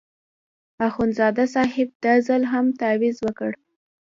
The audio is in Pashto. اخندزاده صاحب دا ځل هم تاویز ورکړ.